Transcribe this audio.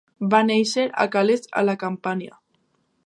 Va néixer a Cales a la Campània.